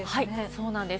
そうなんです。